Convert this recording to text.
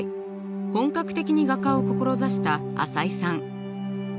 本格的に画家を志した淺井さん。